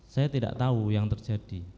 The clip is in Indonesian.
saya tidak tahu yang terjadi